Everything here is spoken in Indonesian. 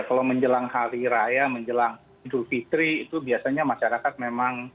kalau menjelang hari raya menjelang idul fitri itu biasanya masyarakat memang